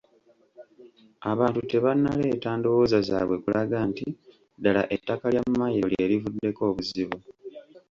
Abantu tebannaleeta ndowooza zaabwe kulaga nti ddala ettaka lya Mmayiro lye livuddeko obuzibu.